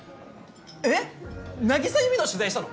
・えっ渚優美の取材したの？